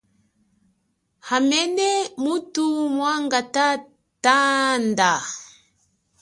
Hamene muthu mwanga thanda.